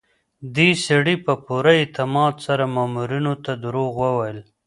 دې سړي په پوره اعتماد سره مامورینو ته دروغ وویل.